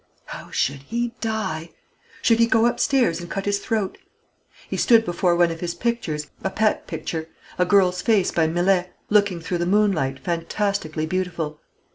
How should he die? Should he go upstairs and cut his throat? He stood before one of his pictures a pet picture; a girl's face by Millais, looking through the moonlight, fantastically beautiful.